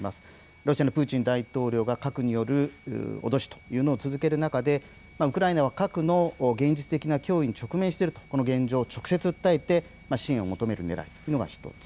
ロシアのプーチン大統領が核による脅しというのを続ける中で、ウクライナは核の現実的な脅威に直面しているというこの現状を直接訴えて支援を求めるねらいというのが１つ。